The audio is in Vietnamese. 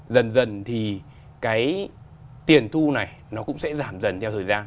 dần dần thì cái tiền thu này nó cũng sẽ giảm dần theo thời gian